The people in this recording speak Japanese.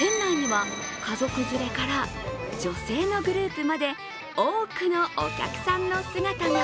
店内には、家族連れから女性のグループまで多くのお客さんの姿が。